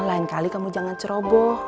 lain kali kamu jangan ceroboh